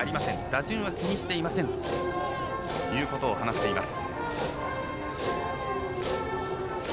打順は気にしていませんということを話しています。